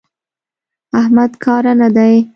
احمد کاره نه دی.